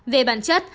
về bản chất